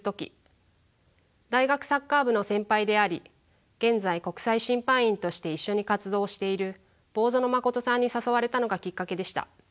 大学サッカー部の先輩であり現在国際審判員として一緒に活動をしている坊薗真琴さんに誘われたのがきっかけでした。